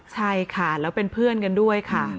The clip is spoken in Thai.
ใช่ค่ะแล้วเป็นเพื่อนกันด้วยค่ะ